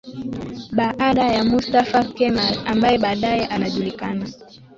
baada ya Mustafa Kemal ambaye baadaye anajulikana